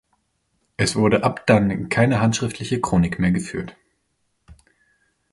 Es wurde ab dann keine handschriftliche Chronik mehr geführt.